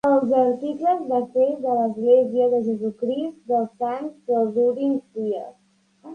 Els Articles de Fe de l'Església de Jesucrist dels Sants dels Últims Dies.